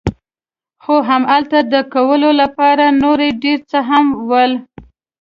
خو همالته د کولو لپاره نور ډېر څه هم ول.